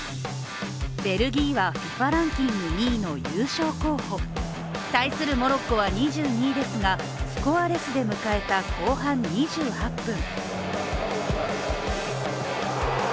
ベルギーはＦＩＦＡランキング２位の優勝候補。対するモロッコは２２位ですがスコアレスで迎えた後半２８分。